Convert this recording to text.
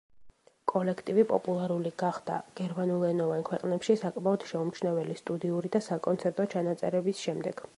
კოლექტივი პოპულარული გახდა გერმანულენოვან ქვეყნებში საკმაოდ შეუმჩნეველი სტუდიური და საკონცერტო ჩანაწერების შემდეგ.